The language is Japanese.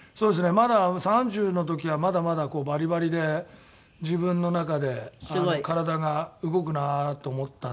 まだ３０の時はまだまだこうバリバリで自分の中で体が動くなと思ったので。